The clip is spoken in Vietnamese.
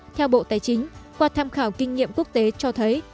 theo bộ tài chính qua tham khảo kinh nghiệm quốc tế cho thấy